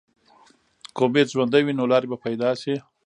که امید ژوندی وي، نو لارې به پیدا شي.